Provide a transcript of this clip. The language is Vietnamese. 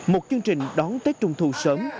một chương trình đón tết trung thu sớm